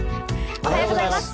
おはようございます。